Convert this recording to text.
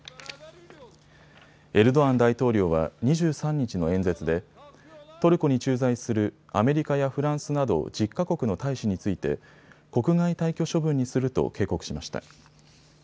エルドアン大統領は２３日の演説でトルコに駐在するアメリカやフランスなど１０か国の大使について国外退去処分にすると警告しました。